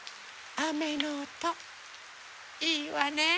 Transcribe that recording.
あめのおといいわね。